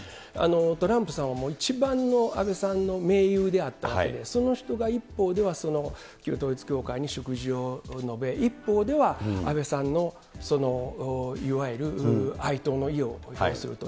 トランプさんも一番の安倍さんの盟友であったわけで、その人が一方では旧統一教会に祝辞を述べ、一方では安倍さんの、いわゆる哀悼の意を表すると。